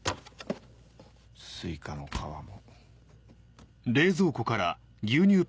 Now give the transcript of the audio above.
スイカの皮も。